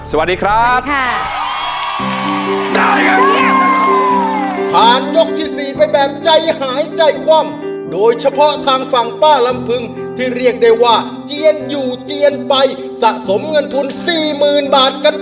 สวัสดีครับ